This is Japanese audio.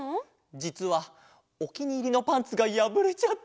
じつはおきにいりのパンツがやぶれちゃったんだ。